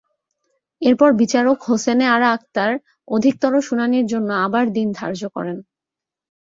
এরপর বিচারক হোসেনে আরা আকতার অধিকতর শুনানির জন্য আবার দিন ধার্য করেন।